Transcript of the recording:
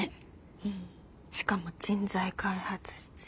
うんしかも人材開発室。